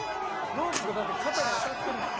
ロープが肩に当たってるもん。